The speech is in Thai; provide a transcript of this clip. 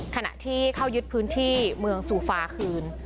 ขณะที่เข้ายึดพื้นที่เมืองซูฟาคืน